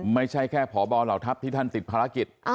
ไม่ใช่แค่พบเหล่าทัพที่ท่านติดภารกิจ